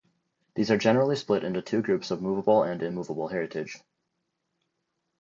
These are generally split into two groups of movable and immovable heritage.